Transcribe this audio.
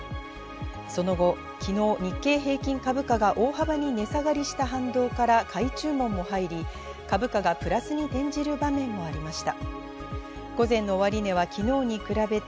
その後、昨日、日経平均株価が大幅に値下がりした反動から買い注文も入り、株価がプラスに転じる場面もありました。